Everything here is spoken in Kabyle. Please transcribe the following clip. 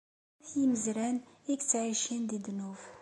At yimezran i yettɛicin di ddnub.